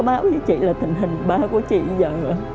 thì bác sĩ có báo với chị là tình hình ba của chị giờ